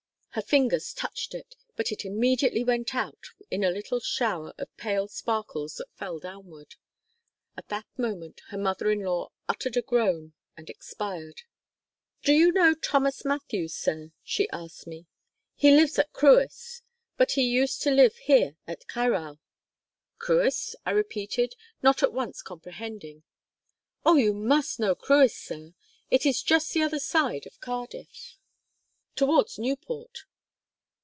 Her fingers touched it, but it immediately went out in a little shower of pale sparkles that fell downward. At that moment her mother in law uttered a groan, and expired. 'Do you know Thomas Mathews, sir?' she asked me; 'he lives at Crwys now, but he used to live here at Caerau.' 'Crwys?' I repeated, not at once comprehending. 'Oh, you must know Crwys, sir; it's just the other side of Cardiff, towards Newport.'